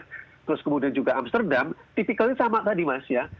terus kemudian juga amsterdam tipikalnya sama tadi mas ya